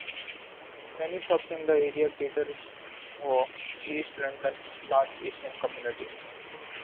Many shops in the area cater for east London's large Asian community.